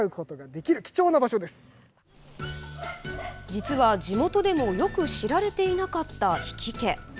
実は地元でもよく知られていなかった比企家。